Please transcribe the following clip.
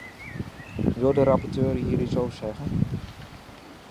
Wil de rapporteur hier iets over zeggen?